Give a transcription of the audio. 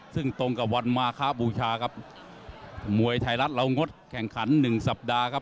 ซึ่งตรงกับวันมาคบูชาครับมวยไทยรัฐเรางดแข่งขันหนึ่งสัปดาห์ครับ